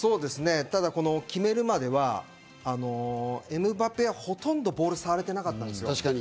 決めるまではエムバペはほとんどボールに触ってなかったです。